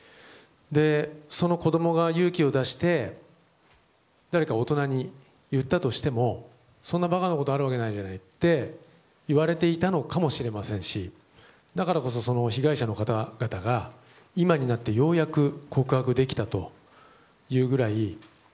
その子供が勇気を出して誰か大人に言ったとしてもそんな馬鹿なことあるわけないじゃないと言われていたのかもしれないしだからこそ、被害者の方々が今になってようやく告白できたというぐらい。